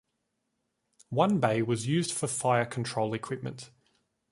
One bay was used for fire control equipment.